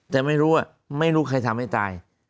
แต่ไม่รู้ไม่รู้ใครทำให้ตาย